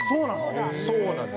あっそうなんだ。